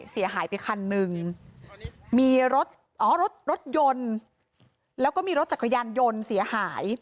เสียหายไปคันหนึ่งมีรถอ๋อรถรถยนต์แล้วก็มีรถจักรยานยนต์เสียหาย